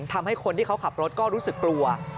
ทำให้คนที่เขาขับรถก็รู้สึกกลัว